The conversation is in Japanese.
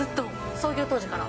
創業当時から？